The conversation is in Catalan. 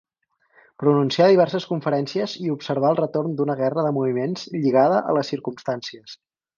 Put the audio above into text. Pronuncià diverses conferències i observà el retorn d'una guerra de moviments lligada a les circumstàncies.